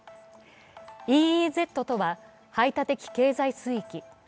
ＥＥＺとは、排他的経済水域。